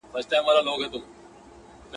نوم چي د ښکلا اخلي بس ته به یې.